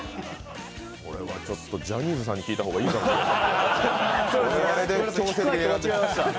それはちょっとジャニーズさんに聞いてもらった方がいいかもしれないですね。